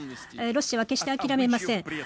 ロシアは決して諦めません。